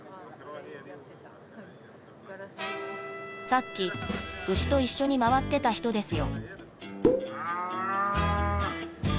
さっき牛と一緒に回ってた人ですよ